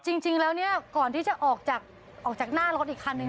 จริงแล้วเนี่ยก่อนที่จะออกจากหน้ารถอีกคันนึง